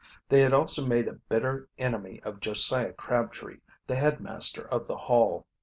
They had also made a bitter enemy of Josiah Crabtree, the headmaster of the Hall.